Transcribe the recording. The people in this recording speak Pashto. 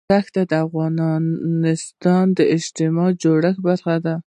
دښتې د افغانستان د اجتماعي جوړښت برخه ده.